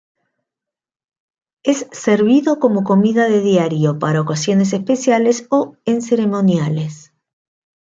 Es servido como comida de diario, para ocasiones especiales o en ceremoniales.